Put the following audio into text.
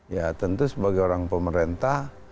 ya tentu sebagai orang pemerintah